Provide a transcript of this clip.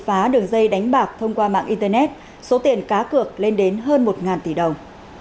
khi các đối tượng vừa triệt phá đường dây đánh bạc thông qua mạng internet số tiền cá cược lên đến hơn một tỷ đồng